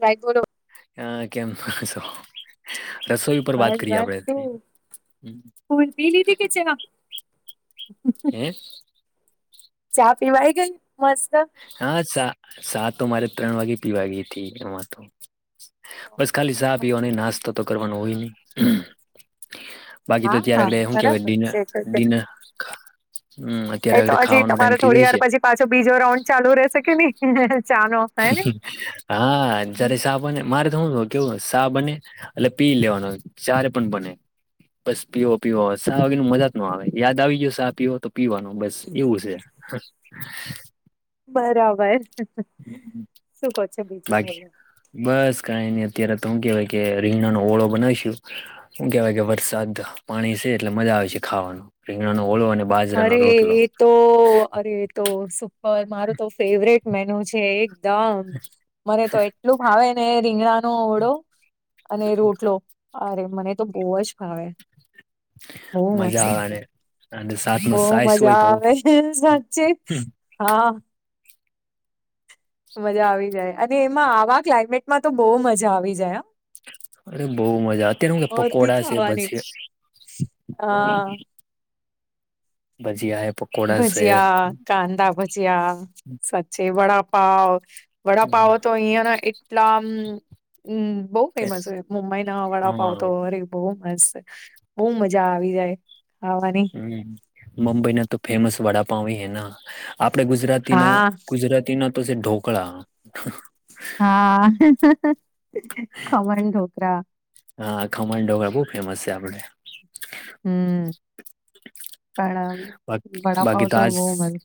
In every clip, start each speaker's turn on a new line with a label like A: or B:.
A: રાઈ થોડો
B: હા કેમ [unintelligible] રસોઈ પર વાત
A: બસ
B: કરીએ
A: બસ શું
B: આપડે.
A: ફૂલ પી લીધી કે ચા
B: એ
A: ચા પીવા આયી ગઈ મસ્ત
B: હા ચા ચા તો મારે ત્રણ વાગે પીવા ગઈ થી અમાં તો બસ ખાલી ચાહ પીવાનો નાસ્તો તો કરવાનો હોય ની બાકી તો
A: હા
B: ત્યારે આગળ હું કેવાય
A: બરાબર
B: ડીન
A: છે છે છે
B: ડીનર ખા હમ્મ
A: એ તો હજી તમારે થોડી વાર પછી પાછો બીજો રાઉન્ડ ચાલુ રેશે કે ની ચાનો
B: હા જ્યારે ચા બને મારે તો હુ કેવું શા બને એટલે પી લેવાનો જ્યારે પણ બને બસ પીવો પીવો સા વાગેની મજા જ ન આવે યાદ આવી ગયો શા પીવો તો પીવાનું બસ એવું સે. હ.
A: બરાબર શું કો છો બીજું
B: બાકી
A: બોલો?
B: બસ કાઈની અત્યારે તો હું કેવાય કે રીગણનો ઓળો બનાવીશું. હું કેવાય કે વરસાદ પાણી છે એટલે મજા આવસે ખાવાની રીંગણાનો ઓલો અને
A: અરે
B: બાજરાનો રોટલો
A: એ તો અરે તો સુપર મારો તો ફેવરેટ મેનુ છે એ દમ મને તો એટલું ભાવે ને રીંગણાનો ઓડો અને રોટલો. અરે મને તો બહુ જ ભાવે.
B: મજા આવેને અને સાથમાં
A: બહું
B: સાઈસ હોય
A: મજા
B: તો
A: આવે સાચે
B: હમ,
A: હા મજા આવી જાય અને એમાં આવા ક્લાયમેટમાં તો બહુ મજા આવી જાય હ
B: અરે બહુ મજા અત્યારે હું કે
A: ઓર
B: પકોડા છે પછી
A: અહા
B: ભજીયા હે પક
A: ભજીયા, કાંદા ભજીયા સાચે વડાપાવ વડાપાવ તો અહિયાંના એટલામ હમ્મ બઉ ફેમસ હોય મુંબઈના
B: હા
A: વડાપાવતો અરે બહુ મસ્ત બહુ મજા આવી જાય ખાવાની
B: હ મુંબઈ ના તો ફેમસ વડાપાવ હી હેના આપડે ગુજરાત તીના
A: હા
B: ગુજરાતી ના તો છે ઢોકળા
A: હા ખમણ ઢોકરા
B: હા ખમણ ઢોકરા બહુ ફેમસ છે આપડે
A: હમ્મ પણ
B: બા
A: વડાપાવ તો બહુ બન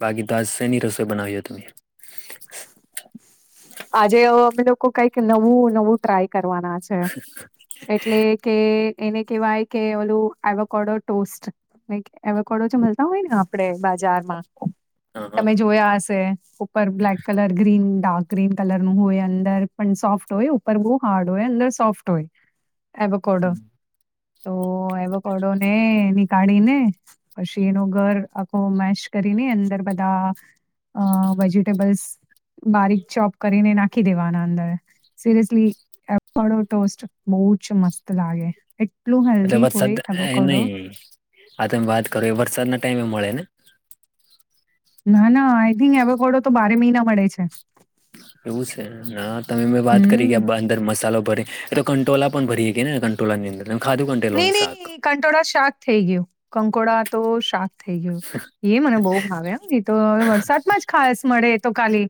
B: બાકીત આજ શેની રસોઈ બનાઈયો તમે?
A: આજે અમે લોકો કઈક નવું નવું ટ્રાય કરવાના છે એટલે કે એને કેવાય કે ઓલું આવાકડો ટોસ્ટ ને એવકોડો જે મલતા હોય ને આપડે બા જાર માં
B: હા હા
A: તમે જોયા હશે ઉપર બ્લેક કલર ગ્રીન ડા ગ્રીન કલર નું હોય અંદર પણ સોફ્ટ હોય ઉપર બહુ હાર્ડ હોય અંદર સોફ્ટ હોય એવોકોડો
B: [inaudible]
A: હો એવો કોડો ને ની કાળી ને પછી એનો ઘર આખો મેશ કરીને અંદર બધા અ વેજીિટેબલ્સ બારીક ચોપ કરીને નાખી દેવાના અંદર. સીરિયસલી એપણો ટોસ્ટ બહુ જ મસ્ત લાગે. એટલું
B: એટલે
A: હેલ્દી હોય
B: વરસાદ એ
A: એેવોકોડો.
B: નહી આ તમે વાત કરો એ વરસાદ ના ટાઈમે મળે ને?
A: ના-ના આઈ થિંક એવોકોડો તો બારે મહિના મળે છે.
B: એવું છે, ના તમે મેં વાત કરી
A: હમ્મ.
B: કે બંદર મસાલો ભરે તો કંટોલા પણ ભરી હકીએને કંટોલા ની અંદ ખાધું
A: નહીં,
B: કંટેલોનું શાક.
A: નહીં કંટોળા શાક થઈ ગયું કંકોળા તો શાક થઈ ગયું. એ મને બહુ ભાવે હે એ તો હવે વરસાદમાં જ ખાસ મળે એ તો ખાલી.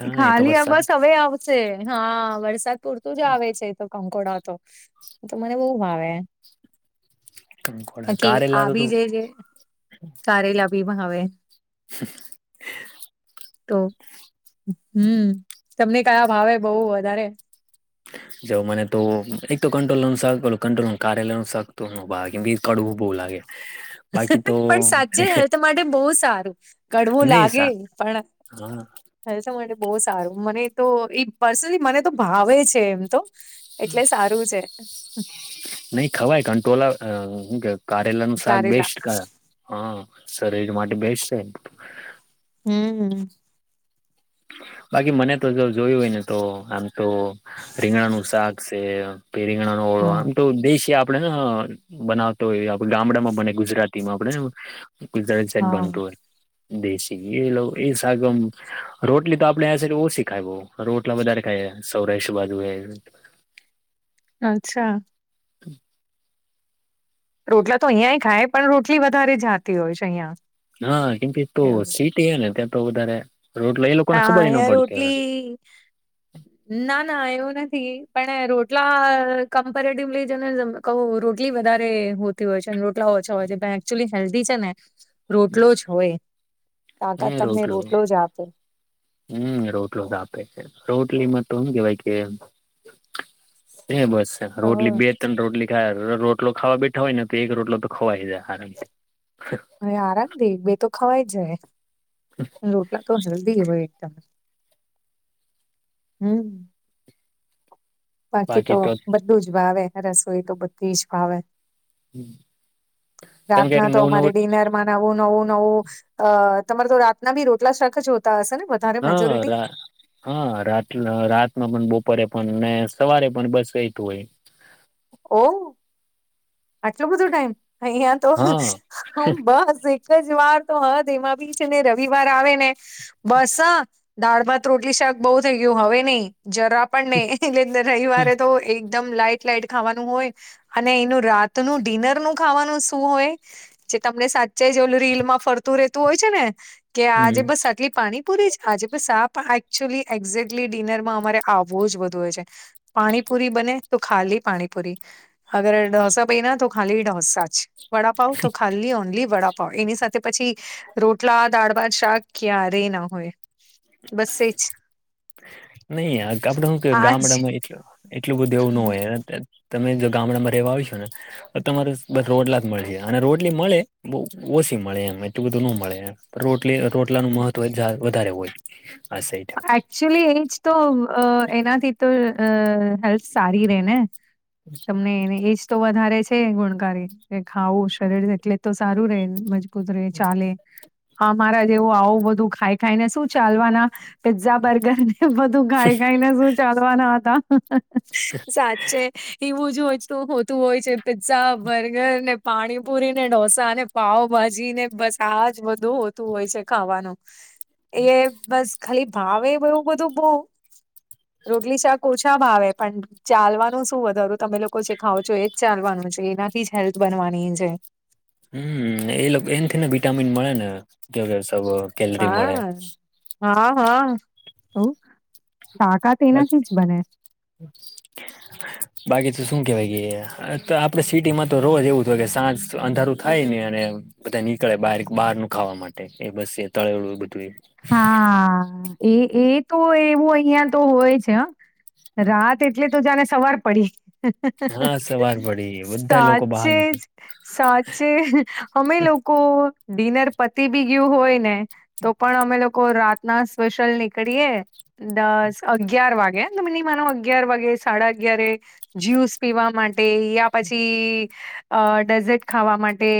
B: હા એ તો
A: ખાલી આ
B: વરસાદ
A: બસ હવે આવ શે હા વરસાદ પૂરતું જ આવે છે તો કંકોડા તો, તો મને બહુ ભા વે
B: કંકોડા
A: બાકી આ
B: કારેલા તો
A: બી જેજે કારેલા ભી પણ હવે
B: હહ હે.
A: તો હમ તમને કયા ભાવે બહુ વધારે.
B: જો મને તો એક તો કંટોલાનું શાક કલ કંટોલા કારેલાનું શાક નો ભાવ કેમ કે કડવું બહુ લાગે. [unintelligible]
A: પણ સાચે હેલ્થ માટે બહુ સારું. કડવું
B: નહી
A: લાગે
B: સા
A: પણ
B: હા
A: હેલ્થ માટે બહુ સારું મને તો ઈ પર્સનલી મને તો ભાવે છે એમ તો. એટલે સારું છે.
B: નહી ખવાય કંટોલા અ હુકે કારેલા નું શાક
A: કારેલા
B: બેસ્ટ કા હા શરીર માટે બેસ્ટ છે.
A: હમ.
B: બાકી મને તો જો જોયું હોય ને તો આમ તો રીંગણાનું શાક સે. પેરીંગણા નો ઓળો
A: હમ
B: આમ તો દેશી આપ પડે છેન અ બનાવતો હોય એ આપ ગામડામાં બને ગુજરાતીમાં આપણેને ગુજરાત સાઈડ
A: હા
B: બનતું હોય દેશી એ એ સાગમ રોટલી તો આપડે આ શીડ ઓછી ખાય બહુ રોટલા વધારે ખાય સૌરાષ બાજુ એમ.
A: અચ્છા.
B: હમ.
A: રોટલા તો અહિયાં ખાય પણ રોટલી વધારે જાતી હોય છે અહિયાં.
B: હા કેમ કે તો
A: એવું
B: સીટી હોય ને ત્યાં તો વધારે રોટલા એ લોકોને ખબરે નો પડતી હોય.
A: એ
B: હમ.
A: ના ના એવું નથી પણ રોટલા કમ્પેરેટિવલી જેને જમ કહુ રોટલી વધારે હોતી હોય છે ન રો ટલા ઓછા હોય છે ભેન્ચુલી હેલ્ધી છે ને રોટલો જ હોય. તાકાત તમને રોટલો જ આપે.
B: હમ રોટલો જ આપે છે રોટલી મતો હુ કેવાય કે અહીંયા બસ. તે
A: તો
B: રોટલી બે ત્રણ રોટલી ખાય રોટલો ખાવા બેઠા હોય ને તો એક રોટલો તો ખવાય જાય આરામથી.
A: હવે આરામ દઈ બે તો ખવાઈ જ જાય રોટલા. તો હલ્દી હોય એક તમા, હમ. બાકી તો બધું જ વાાવે રસોઈ તો બધી જ ફાવે.
B: કેમ કે
A: રાતના તો
B: નવું
A: અમારે
B: નવું
A: ડિનર નવું નવું નવું, અ તમારે તો રાતના બી રોટલા શાક જ હોતા હશે ને? વધારે
B: હા
A: મેજોરિટી
B: રા હા રાત રાતમાં પણ બપોરે પણ ને સવારે પણ બસ વેતું હોય.
A: ઓ આટલું બધું ટાઈમ અહયા તો
B: હા
A: બસ. એક જ વાર તો હદ એમાં બી છે ને રવિવાર આવે ને. બસ દાળ માં રોટલી શાક બહુ થઈ ગયું હવે નહી. જરા પણ નહી એટલે રવિવારે તો એક એકદમ લાઈટ લાઈટ ખાવાનું હોય, અને એનું રાતનું ડિનર નું ખાવાનું શું હોય. જે તમને સાચા જે ઓલું રીલ માં ફરતું રતું હોય છે ને, કે આજે
B: હમ
A: બસ આટલી પાણીપુરી જ આજે બસ આ પણ એકચુલી એક્ઝેક્ટલી ડિનરમાં અરે આવવો જ બધું હોય છે. પાણીપુરી બને તો ખાલી પાણીપુરી, અગર ડોસા બેના તો ખાલી ડઢોસા જ વડાપાવ તો ખાલી ઓનલી વડા એની સાથે પછી, રોટલા દાળ ભા શાક ક્યારે ના હોય. બસ એજ
B: નહી આપડે શું કે
A: આજ
B: ગામડામાં એટ એટલું બધું એવું ન હોય તમે જો ગામડામાં રહેવા હોશો ને. તમારે બસ રોટલા જ મળી જાય અને રોટલી મળે બ ઓછી મળે એમ એટલું બધું ન મળે એમ. રોટલી રોટલા ન મહત્વ વધારે હોય આ સાઇડ.
A: એકચુલી એજ તો એનાથી તો હેલ્થ સારી રે ને. તમને એને એ તો વધારે છે એ ગુણકારી એ ખાવું શરીર એટલે તો સારું ર. કુતરે ચાલે, હા મારા જેવું આવું બધું ખાઈ ખાઈ ને શું ચાલવાના. પીઝઝા બર્ગર ને બધું ખાઈ ખાઈને શું ચાલવાના હતા. છે એવું જ હોય હોતું હોય છે પીઝઝા બર્ગર ને પાણીપુરી ને ઢોસા ને પાાવભાજી ને બસ આજ બધુ હોતું હોય છે ખાવાનું.
B: હ [inaudible]
A: એ બસ ખાલી ભાવે એવું બધું બો. રોટલી શાક ઓછામાં આવે પણ ચાલવાનું શું વધારું તમે લોકો જે ખાવ છો એજ ચાલવાનું છે એનાથી જ હેલ્થ બનવાની છે.
B: હમ એ એ થી ને વિટામીન મળે ને. કેલરી મળે
A: હા હા હા હ. તાકાત
B: બાક-
A: એનાથી જ બને.
B: [inaudible] બાકી તો શું કેહેવાય કે તો આપડે સિટી માં તો રોજ એવું થય કે સાંજ અંધારું થાય ને અને- બધા નીકળે બ બહાર નું ખાવા માટે એ બસ એ તળડું બધું એ.
A: હા એ એ તો એવું અહિયાં તો હોય છે, રાત એટલે તો જાને સવાર પડી.
B: હા સવાર પડી બધા લોકો બહાર
A: સાચે જ સાચે. અમે લોકો ડિનર પતિ બી ગયું હોય ને. તો પણ અમે લોકો રાતના સ્પેશિલ નીકળીએે. દસ અગિયાર વાગે તો મિનિમન અગિયાર વાગે સાડા અગિયાર. જ્યુસ પીવા માટે યા પછી, અ ડેઝર્ટ ખાવા માટે.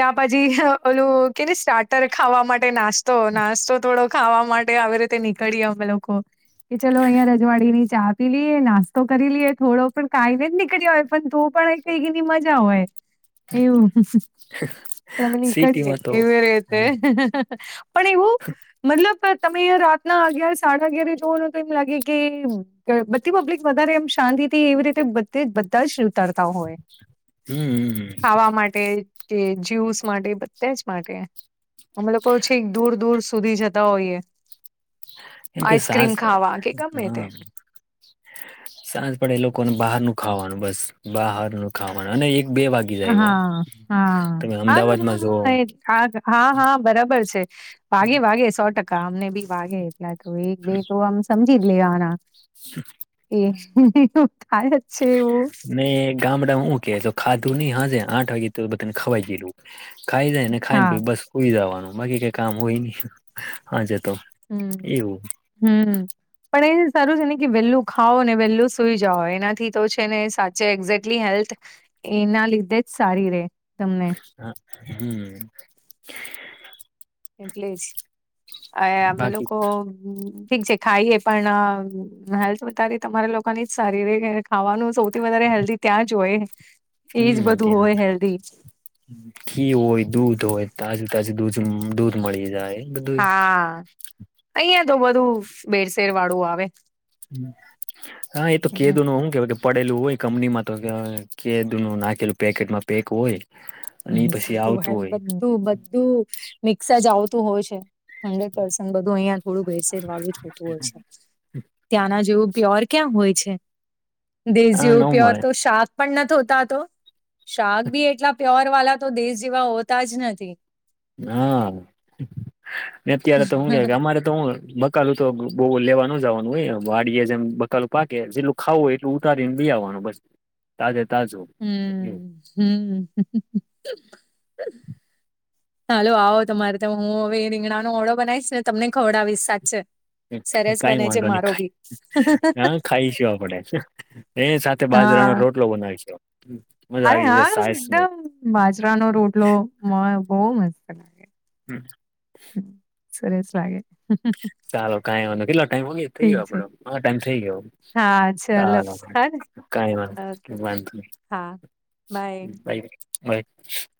A: યા પછી ઓલું કેને સ્ટાર્ટર ખાવા માટે નાસ્તો તો નાસ્તો થોડો ખાવા માટે, આવી રીતે નીકળીએ અમે લોકો. કે ચલો, અહિયાં રજવાડી ની ચા. લઈએ નાસ્તો કરી લઈએ થોડો, પણ કઈ જ નીકળી હોય, પણ તો પણ કઈ ની મજા હોય. એવમને કડ
B: સિટીમાં તો
A: એરે
B: હમ
A: [unintelligible] પણ એવું મતલબ, તમે રાતના અગિયાર, સાડાઅગિયાર જોવાનું તો, એમ લાગે કે. બધી પબ્લિક વધારે એમ શાંતિથી એવી રીતે બધા, બધા જ ઉતરતા હોય.
B: હમ
A: ખાવા માટે કે, જ્યુસ માટે બધા જ માટે. અમે લોકો છે, દૂર-દૂર સુધી જતા હોઈએ.
B: એમ કે, સાસ
A: આઈસક્રીમ ખાવા
B: પડે,
A: કે ગમે તે
B: હા. સાંજ પડે, એ લોકોને બહારનું ખાવાનું બસ, બહારનું ખાવાનું અને એક બે વાગ્યે.
A: હા, હા, હ, હા,
B: અમદાવાદમાં જોઓ
A: હા, હા, હા, બરાબર છે. વાગે વાગે સો ટકા અમને બી વાગે, એટલે તો એક બે તો આમ સમજી જ લેવાના.
B: હ.
A: એવું થાય જ છે, એવું.
B: ને ગામડામાં, હું કે તો ખાધું નહીં, હા, જે આઠ વાગે તો બધાને ખવાઈ ગયેલું. ખાઈ જાય ને, ખાઈ ને
A: હા,
B: પ બસ કોઈ જવાનું, બાકી કંઈ કામ હોય નહી, હા, જ તો.
A: હમ,
B: એવું
A: હમ. પણ એ સારું છે ને કે, વેહેલું ખાાવ ને, વેહેલું સુઈ જઓ, એનાથી તો છે ને, ચ જે એક્ઝેક્ટલી હેલ્થ એના લીધે જ સારી રે. તમને
B: હ, હમ.
A: એટલે જ અમે
B: બાકી
A: લોકો ઠીક છે, ખાઈએ પણ હેલ્થ વધારી તમારા લોકોની જ શારીરિક ખાવાનું સૌ. વધારે હેલ્ધી ત્યાં જ હોય, એજ
B: હમ
A: બધું
B: ત્યાં
A: હોય હેલ્ધી.
B: ઘી હોય, દૂધ હોય, તાજુ તાજું દૂધ દૂધ મળી જાય. બધું
A: હા, અહિયાં તો બધું બેરસેર વાળું આવે.
B: હા, એ તો કેદોનુ, હુ કેવા કે પડેલું હોય, કંપનીમાં તો કે કેદીનું નાખેલું પેકેટમાં પેક હોય. અને એ
A: હ,
B: પછી
A: બધું. હ,
B: આવતું હોય
A: બધું બધું મિક્સર જ આવતું હોય છે. હંડ્રેડ પસેન્ટ બધું અહિયાં થોડું ભેરસેર વાળું જ હોતું હોય છે. ત્યાંના જેવું પ્યોર ક્યાં હોય છે, દેશ
B: હા ન
A: જેવું પ્યોર
B: મળે
A: તો શાક. પણ ન થતા તો, શાક બી એટલા પ્યોર વાળ તો દેશ જેવા હોતા જ નથી.
B: હા, અત્યારે તો શું કે,
A: નથી
B: કે અમારે મકાલુ તો બહુ લેવા ન જવાનું હોય, વાડીયે જેમ બકાલું પાકે જે. ખાવું એટલ લે, ઉતારીને લી આવવાનું બસ, તાજે તાજું.
A: હમ. હાલો, આવો તમારે તો, હું હવે રીંગણાનો ઓળો બનાવીશ ને, તમને ખવડાવીશ સાચા છે.
B: કઈ વાદો ની.
A: મારો બી.
B: હા ખાઈશી આપડે, એ સાથે બાજરાનો
A: હા
B: રોટલો બનાવીશું. મજા
A: અરે
B: આવી જશે
A: હા,
B: સાસ ને
A: એકદમ બાજરાનો રોટલો બહુ મસ્ત કરો.
B: હમ.
A: હમ, સરસ લાગે.
B: ચાલો, કં એ કેટલો ટાઈમ હો થઈ
A: ઠીક
B: ગયો,
A: છે
B: આપડો ટાઈમ થઈ ગયો.
A: હા ચલો હા ને.
B: કાંઈ
A: ઓકે
B: વાંધો નથી.
A: હા બાય.
B: [unintelligible]